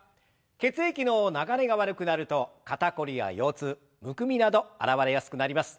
血液の流れが悪くなると肩凝りや腰痛むくみなど現れやすくなります。